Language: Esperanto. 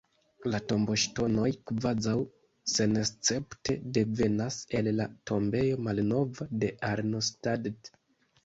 La tomboŝtonoj kvazaŭ senescepte devenas el la Tombejo malnova de Arnstadt.